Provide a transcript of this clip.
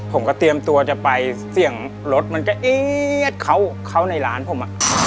ผมก็เตรียมตัวจะไปเสียงรถมันก็เอี๊ยดเข้าในร้านผม